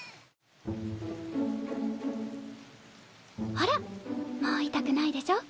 ほらもう痛くないでしょ？